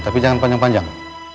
tapi jangan panjang panjang